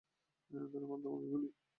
ধন্যবাদ তোমাকে, ওলি!